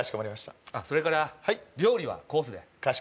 それから料理はコースで。